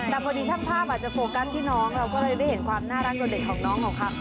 แต่พอดีช่างภาพอาจจะโฟกัสที่น้องเราก็เลยได้เห็นความน่ารักของน้องของเขา